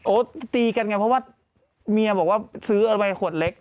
ตีกันไงเพราะว่าเมียบอกว่าซื้อเอาไปขวดเล็ก